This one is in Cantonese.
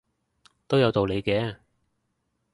都有道理嘅